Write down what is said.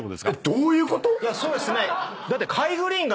どういうこと